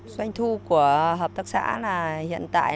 doanh thu của hợp tác xã là hiện tại